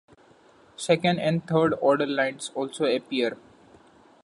Second and third order lines also appear.